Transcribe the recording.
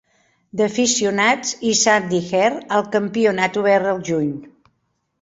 d'Aficionats i Sandy Herd al campionat obert el juny.